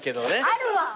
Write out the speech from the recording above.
あるわ！